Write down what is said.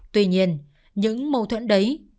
tuy nhiên những mâu thuẫn đấy